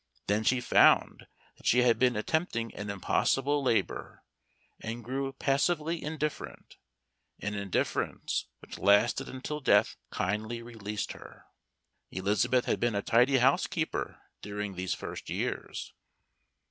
Then she found that she had been attempting an impossible labor, and grew passively indifferent an indifference which lasted until death kindly released her. Elizabeth had been a tidy housekeeper during these first years.